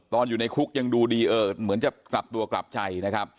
อยู่ในคุกยังดูดีเออเหมือนจะกลับตัวกลับใจนะครับ